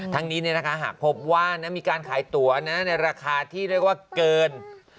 ทั้งนี้หากพบว่ามีการขายตั๋วในราคาที่เรียกว่าเกิน